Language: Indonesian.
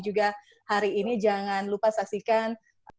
juga hari ini jangan lupa saksikan